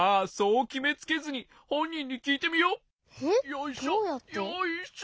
よいしょよいしょ。